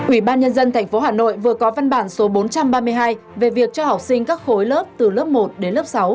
ủy ban nhân dân tp hà nội vừa có văn bản số bốn trăm ba mươi hai về việc cho học sinh các khối lớp từ lớp một đến lớp sáu